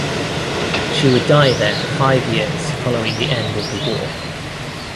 She would die there five years following the end of the war.